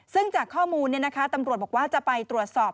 ซึ่งจากข้อมูลตำรวจบอกว่าจะไปตรวจสอบ